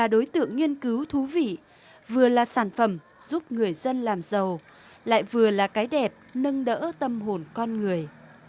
đối tượng nghiên cứu thú vị vừa là sản phẩm giúp người dân làm giàu lại vừa là cái đẹp nâng đỡ tâm hồn con người